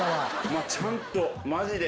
ちゃんとマジで。